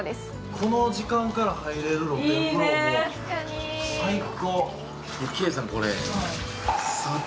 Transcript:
この時間から入れる露天風呂、最高！